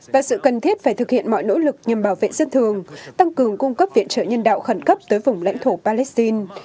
và sự cần thiết phải thực hiện mọi nỗ lực nhằm bảo vệ dân thường tăng cường cung cấp viện trợ nhân đạo khẩn cấp tới vùng lãnh thổ palestine